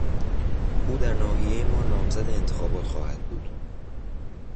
او در ناحیهی ما نامزد انتخابات خواهد بود.